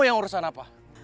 ini yang urusan apa